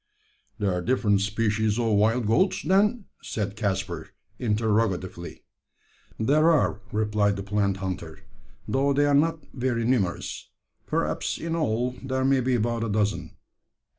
"There are different species of wild goats, then?" said Caspar, interrogatively. "There are," replied the plant hunter, "though they are not very numerous perhaps in all there may be about a dozen.